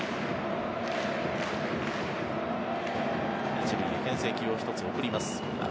１塁へけん制球を１つ送ります。